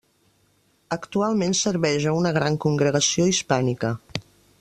Actualment servei a una gran congregació hispànica.